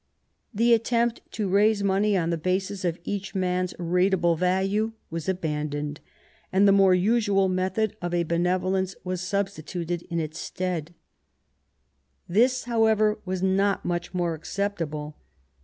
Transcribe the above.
The attempt to raise money on the basis of each man's ratable value was abandoned, and the more usual method of a benevolence was substi tuted in its stead This, however, was not much more acceptable.